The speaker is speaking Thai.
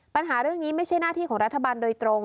ปัญหาเรื่องนี้ไม่ใช่หน้าที่ของรัฐบาลโดยตรง